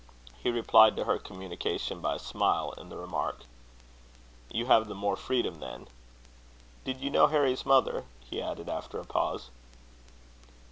He replied to her communication by a smile, and the remark: "You have the more freedom, then. Did you know Harry's mother?" he added, after a pause.